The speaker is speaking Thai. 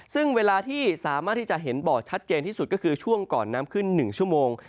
ซึ่งเวลาที่สามารถที่จะเห็นบ่อชัดเจนที่สุดก็คือช่วงก่อนน้ำขึ้น๑ชั่วโมง